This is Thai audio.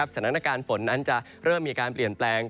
สถานการณ์ฝนนั้นจะเริ่มมีการเปลี่ยนแปลง